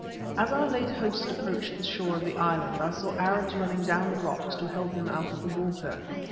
As our late host approached the shore of the island I saw Arabs running down the rocks to help him out of the water.